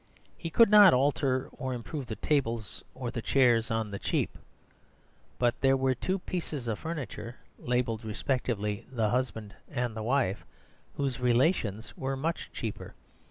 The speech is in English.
He could not alter or improve the tables or the chairs on the cheap. But there were two pieces of furniture (labelled respectively "the husband" and "the wife") whose relations were much cheaper.